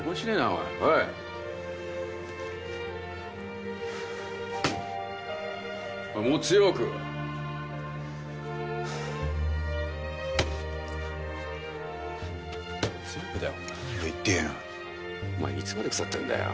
お前いつまで腐ってんだよ。